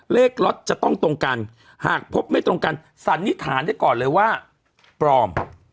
ล็อตจะต้องตรงกันหากพบไม่ตรงกันสันนิษฐานได้ก่อนเลยว่าปลอม